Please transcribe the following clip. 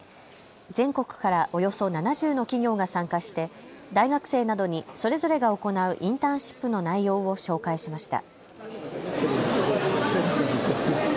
全国からおよそ７０の企業が参加して大学生などにそれぞれが行うインターンシップの内容を紹介しました。